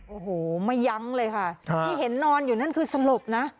โอ้โหไม่ยั้งเลยค่ะที่เห็นนอนอยู่นั่นคือสลบนะ